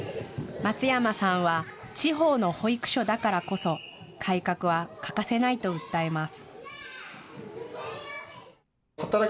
松山さんは地方の保育所だからこそ改革は欠かせないと訴えます。